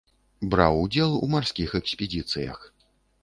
Браў удзел у марскіх экспедыцыях.